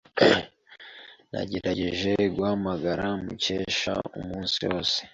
Nagerageje guhamagara Mukesha umunsi wose.